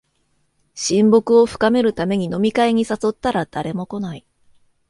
親睦を深めるために飲み会に誘ったら誰も来ない